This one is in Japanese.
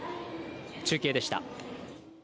中継でした。